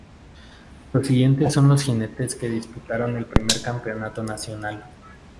Los siguientes son los jinetes que disputaron el primer campeonato nacional.